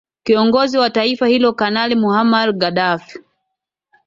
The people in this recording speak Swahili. kiongozi wa taifa hilo kanali muhamar gadaffi